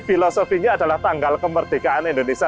filosofinya adalah tanggal kemerdekaan indonesia